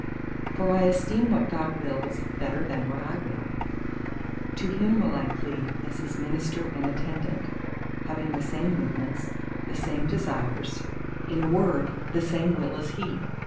For I esteem what God wills better than what I will. To Him will I cleave as His minister and attendant; having the same movements, the same desires, in a word the same Will as He.